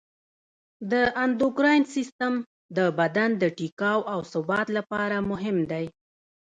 د اندوکراین سیستم د بدن د ټیکاو او ثبات لپاره مهم دی.